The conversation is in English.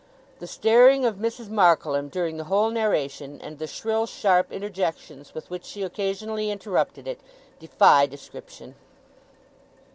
The staring of Mrs. Markleham during the whole narration, and the shrill, sharp interjections with which she occasionally interrupted it, defy description.